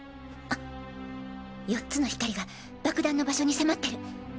４つの光が爆弾の場所に迫ってる。